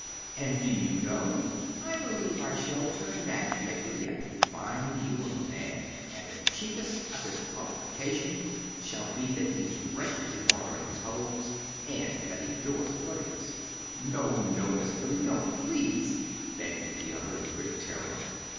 And, do you know? I believe I shall turn matchmaker yet, and find you a man; and the chiefest of his qualifications shall be that he's wretchedly hard on his hose, and that he adores puddings." "No, no, Miss Billy, don't, please!" begged the other, in quick terror.